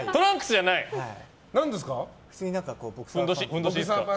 何ですか？